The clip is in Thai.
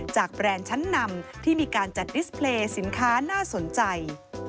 แบรนด์ชั้นนำที่มีการจัดดิสเพลย์สินค้าน่าสนใจ